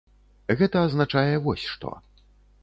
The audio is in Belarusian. Гэта азначае вось што.